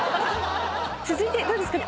続いてどうですかね？